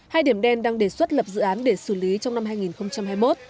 hai điểm đen đang đề xuất lập dự án để xử lý trong năm hai nghìn hai mươi một